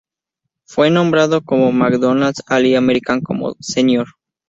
Fue nombrado McDonald’s All-American como senior.